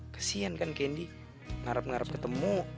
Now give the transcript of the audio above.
kesian kan candy ngarep ngarep ketemu